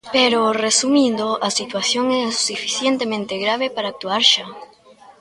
Pero, resumindo, a situación é o suficientemente grave para actuar xa.